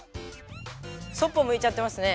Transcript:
そっぽ向いちゃってますね。